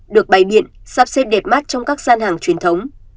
được bày biện sắp xếp đẹp mắt trong các gian hàng truyền thống